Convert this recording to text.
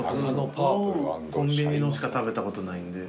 コンビニのしか食べたことないんで。